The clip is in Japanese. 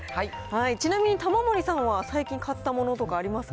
ちなみに玉森さんは最近買ったものとかありますか。